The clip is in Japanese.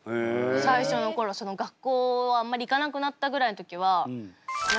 最初の頃その学校あんまり行かなくなったぐらいの時はやっぱり。